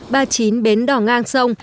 ba mươi chín bến đỏ ngang sông